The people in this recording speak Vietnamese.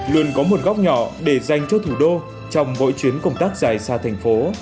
luôn có một góc nhỏ để dành cho thủ đô trong mỗi chuyến công tác dài xa thành phố